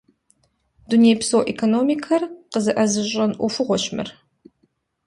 Дунейпсо экономикэр къызэӀызыщӀэн Ӏуэхугъуэщ мыр.